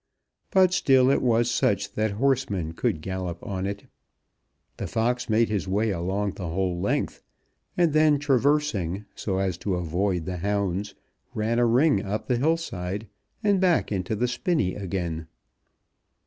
But still it was such that horsemen could gallop on it. The fox made his way along the whole length, and then traversing, so as to avoid the hounds, ran a ring up the hillside, and back into the spinney again.